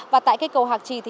và tại cây cầu hạc trì